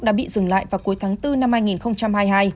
đã bị dừng lại vào cuối tháng bốn năm hai nghìn hai mươi hai